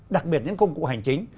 đặc biệt những công cụ hành chính